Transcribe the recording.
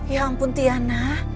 ya ampun tiana